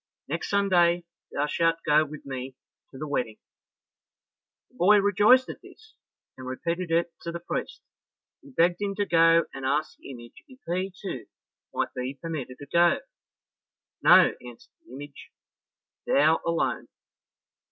Next Sunday thou shalt go with me to the wedding." The boy rejoiced at this, and repeated it to the priest, who begged him to go and ask the image if he, too, might be permitted to go. "No," answered the image, "thou alone."